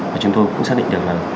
và chúng tôi cũng xác định được là